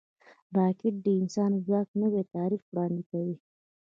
راکټ د انساني ځواک نوی تعریف وړاندې کوي